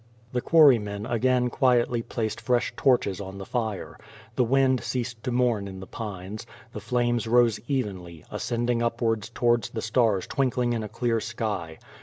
The quarry men again quietly placed fresh torches on the fire. The wind ceased to mourn in the pines. The flames rose evenly, ascending upwards towards the stars twinkling in a clear sky.